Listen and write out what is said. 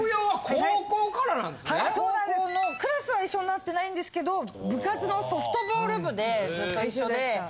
高校のクラスは一緒になってないんですけど部活のソフトボール部でずっと一緒で。